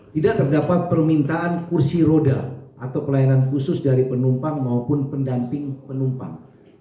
tidak terdapat permintaan kursi roda atau pelayanan khusus dari penumpang maupun pendamping penumpang